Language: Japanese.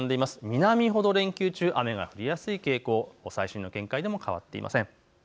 南ほど連休中雨が降りやすい傾向、最新の見解でも変わっていません。